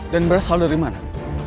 dan berasal dari mana